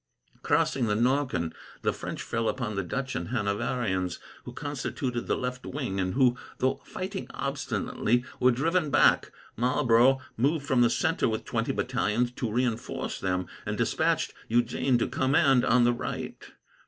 Crossing the Norken, the French fell upon the Dutch and Hanoverians, who constituted the left wing, and who, though fighting obstinately, were driven back. Marlborough moved from the centre with twenty battalions to reinforce them, and despatched Eugene to command on the right.